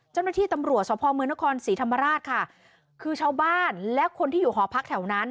เจ้าหน้าที่ตำรวจสภเมืองนครศรีธรรมราชค่ะคือชาวบ้านและคนที่อยู่หอพักแถวนั้น